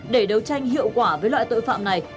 để đấu tranh hiệu quả với loại tội phạm này